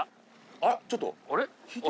あっちょっとあれ？